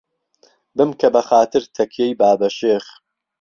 بمکه به خاتر تهکیهی بابه شێخ